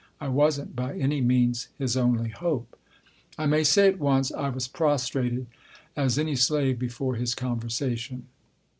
I wasn't by any means his only hope. I may say at once I was prostrated as any slave before his conversation.